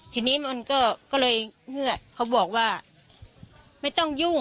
ทีนี้มันก็เลยเฮือกเขาบอกว่าไม่ต้องยุ่ง